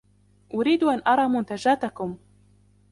أريد أن أرى منتجاتكم.